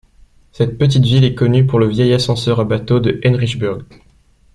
Cette petite ville est connue pour le vieil ascenseur à bateaux de Henricheburg.